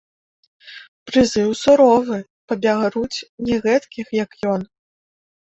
Прызыў суровы, пабяруць не гэткіх, як ён.